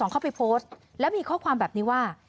เข้าไปโพสต์แล้วมีข้อความแบบนี้ว่า